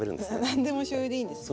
何でもしょうゆでいいんですね。